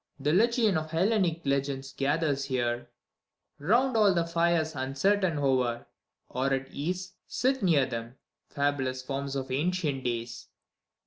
The legion of Hellenic legends gathers here, "^ound all the flres uncertain hover, or at ease t near them, fabulous forms of ancient days.